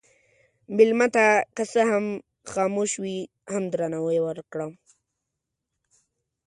مېلمه ته که څه هم خاموش وي، هم درناوی ورکړه.